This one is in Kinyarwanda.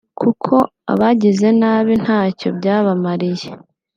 kuko abagize nabi ntacyo byabamariye